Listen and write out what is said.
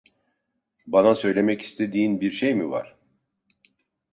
Bana söylemek istediğin bir şey mi var?